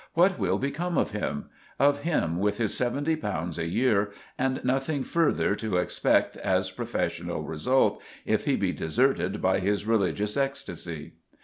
What will become of him, of him, with his seventy pounds a year, and nothing further to expect as professional result, if he be deserted by his religious ecstasy?